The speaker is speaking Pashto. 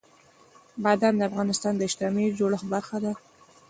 بادام د افغانستان د اجتماعي جوړښت برخه ده.